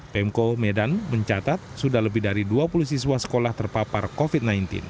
pemko medan mencatat sudah lebih dari dua puluh siswa sekolah terpapar covid sembilan belas